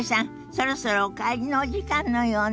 そろそろお帰りのお時間のようね。